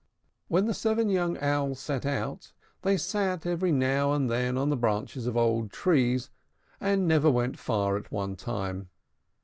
When the seven young Owls set out, they sate every now and then on the branches of old trees, and never went far at one time.